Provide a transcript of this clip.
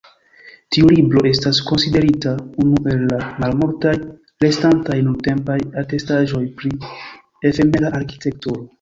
Tiu libro estas konsiderita unu el la malmultaj restantaj nuntempaj atestaĵoj pri efemera arkitekturo.